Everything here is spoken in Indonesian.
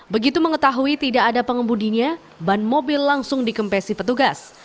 begitu mengetahui tidak ada pengemudinya ban mobil langsung dikempesi petugas